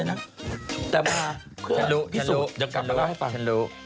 ฉันรู้